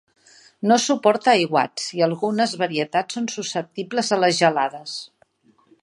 No suporta aiguats i algunes varietats són susceptibles a les gelades.